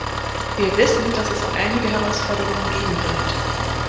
Wir wissen, dass es einige Herausforderungen geben wird.